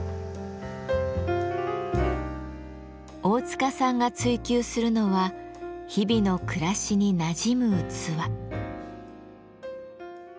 大塚さんが追求するのは日々の暮らしになじむ器。